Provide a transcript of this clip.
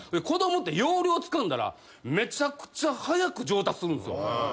子供って要領つかんだらめちゃくちゃ早く上達するんすよ。